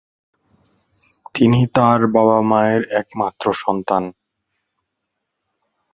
তিনি তার বাবা-মায়ের একমাত্র সন্তান।